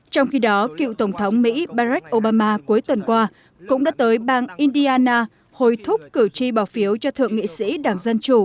trong khi đó cựu tổng thống mỹ barack obama cuối tuần qua cũng đã tới bang indiana hồi thúc cử tri bỏ phiếu cho thượng nghị sĩ đảng dân chủ